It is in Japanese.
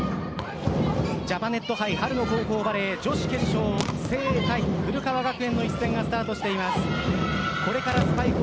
ジャパネット杯春の高校バレー女子決勝誠英対古川学園の１戦がスタートしています。